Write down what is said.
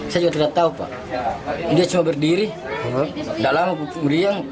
saya juga tidak tahu pak dia cuma berdiri tidak lama meriang